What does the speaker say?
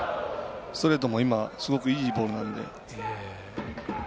ストレートもすごくいいボールなので。